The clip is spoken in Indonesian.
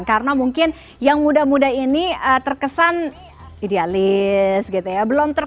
karena mungkin yang muda muda ini terkesan idealis gitu ya